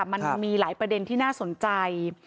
มันมีหลายประเด็นที่น่าสนใจ